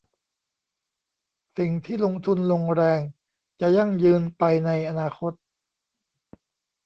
สิ่งที่ลงทุนลงแรงจะยั่งยืนไปในอนาคต